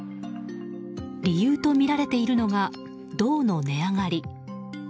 理由とみられているのが銅の値上がり。